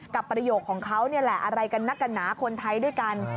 ประโยคของเขานี่แหละอะไรกันนักกันหนาคนไทยด้วยกัน